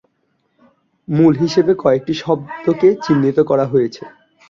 মূল হিসেবে কয়েকটি শব্দকে চিহ্নিত করা হয়েছে।